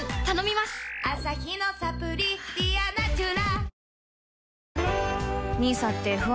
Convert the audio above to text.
アサヒのサプリ「ディアナチュラ」